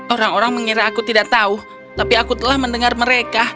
orang orang mengira aku tidak tahu tapi aku telah mendengar mereka